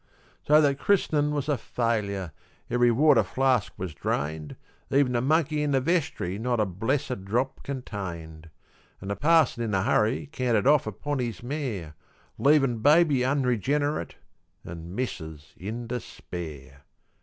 So that christ'nin' was a failure; every water flask was drained; Ev'n the monkey in the vestry not a blessed drop contained; An' the parson in a hurry cantered off upon his mare, Leavin' baby unregenerate, an' missus in despair.